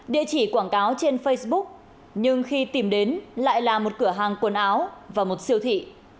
địa chỉ quảng cáo trên facebook nhưng khi tìm đến lại là một cửa hàng quần áo và một siêu thị